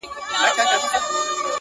هغه اکثره وخت يوازې ناسته وي او فکر کوي,